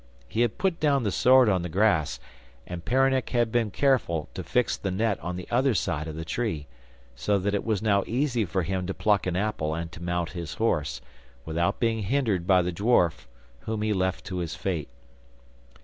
He had put down the sword on the grass, and Peronnik had been careful to fix the net on the other side of the tree, so that it was now easy for him to pluck an apple and to mount his horse, without being hindered by the dwarf, whom he left to his fate.